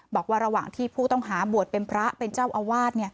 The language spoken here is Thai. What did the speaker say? บอกว่าระหว่างที่ผู้ต้องหาบวชเป็นพระเป็นเจ้าอาวาส